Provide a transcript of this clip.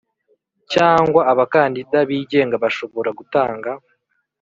cyangwa abakandida bigenga bashobora gutanga